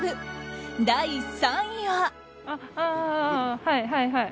第３位は。